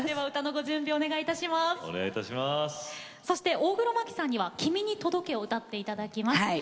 大黒摩季さんには「君に届け」を歌っていただきます。